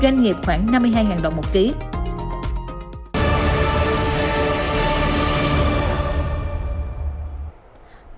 doanh nghiệp khoảng năm mươi hai đồng một kg